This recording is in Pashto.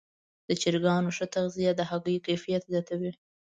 د چرګانو ښه تغذیه د هګیو کیفیت زیاتوي.